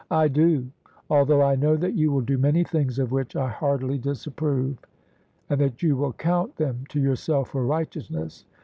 "" I do, althou^ I know that you will do many things of which I heartily disapprove, and that you will count them to yourself for righteousness.